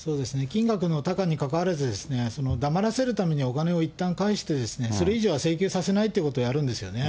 金額のたかにかかわらず、黙らせるためにお金をいったん返してですね、それ以上は請求させないということをやるんですよね。